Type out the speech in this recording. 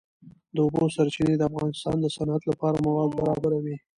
د اوبو سرچینې د افغانستان د صنعت لپاره مواد برابروي.